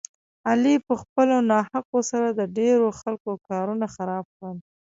علي په خپلو ناحقو سره د ډېرو خلکو کارونه خراب کړل.